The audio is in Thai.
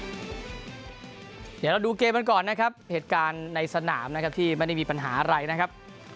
เดี๋ยวเราดูเกมกันก่อนนะครับเหตุการณ์ในสนามนะครับที่ไม่ได้มีปัญหาอะไรนะครับ